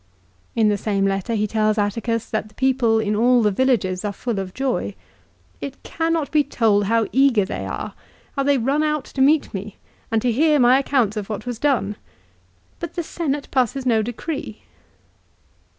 2 In the same letter he tells Atticus that the people in all the villages are full of joy. " It cannot be told how eager they are; how they run out to meet me, and to hear my accounts of what was done. But the Senate passes no decree